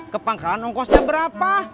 kepangkalan ongkosnya berapa